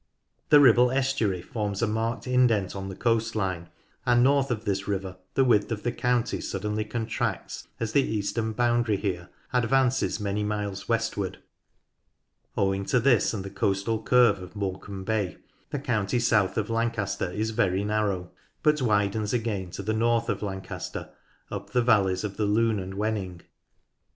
The Ribble estuary forms a marked indent on the coast line, and north of this river the width of the county suddenly contracts, as the eastern boundary here advances many miles westward. Owing to this and to the coastal curve of Morecambe Bay, the county south of Lancaster is very narrow, but widens again to the north of Lancaster, up the valleys of the Lune and Wenning.